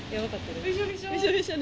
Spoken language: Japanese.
びしょびしょ？